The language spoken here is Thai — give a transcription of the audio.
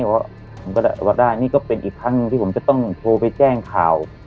เพราะว่าผมก็ว่าได้นี่ก็เป็นอีกครั้งที่ผมจะต้องโทรไปแจ้งข่าว